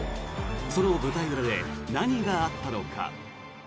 その舞台裏で何があったのか。